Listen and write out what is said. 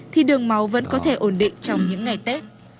thì đường máu vẫn có thể ổn định trong những ngày tết